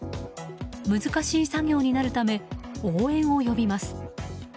難しい作業になるため応援を呼びます。